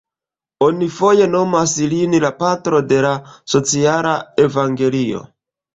Oni foje nomas lin "la Patro de la Sociala Evangelio".